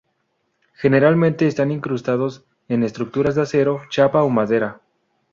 Generalmente están incrustados en estructuras de acero, chapa o madera.